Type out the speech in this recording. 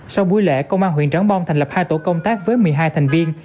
sau buổi lễ công an huyện trắng bom thành lập hai tổ công tác với một mươi hai thành viên